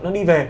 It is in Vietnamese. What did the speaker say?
nó đi về